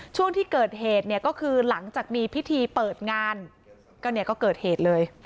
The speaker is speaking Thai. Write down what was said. ช่วงที่เกิดเหตุก็คือหลังจากมีพิธีเปิดงานก็เกิดเหตุเลย